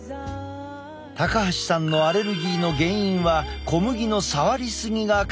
高橋さんのアレルギーの原因は小麦の触りすぎが考えられた。